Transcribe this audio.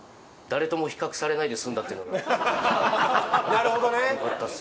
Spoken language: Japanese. なるほどね！